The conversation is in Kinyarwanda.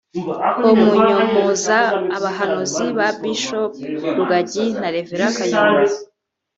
Ko munyomoza ubuhanuzi bwa Bishop Rugagi na Rev Kayumba